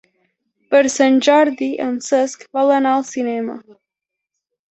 Per Sant Jordi en Cesc vol anar al cinema.